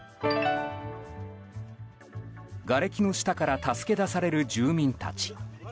がれきの下から助け出される住民たち。